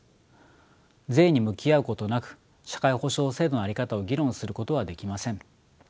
税に向き合うことなく社会保障制度の在り方を議論することはできません。